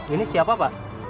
ini siapa pak